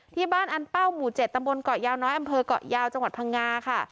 ที่บ้านอันเป้าหมู่๗ตำบลเกาะยาวน้อยอำเภอกเกาะยาวจังหวัดพังงาค่ะ